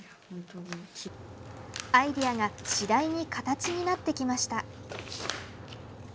アイデアが次第に形になってきました。